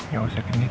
ya udah saya kenit